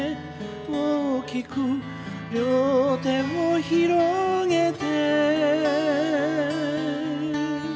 「大きく両手を拡げて」